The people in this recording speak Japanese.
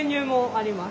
あります。